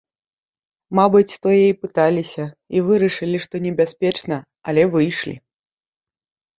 Мабыць, тое і пыталіся, і вырашылі, што небяспечна, але выйшлі.